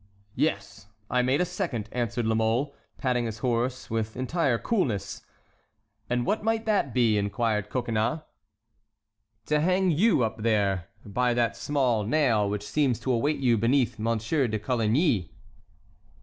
"Yes, I made a second," answered La Mole, patting his horse with entire coolness. "And what might that be?" inquired Coconnas. "To hang you up there, by that small nail which seems to await you beneath Monsieur de Coligny."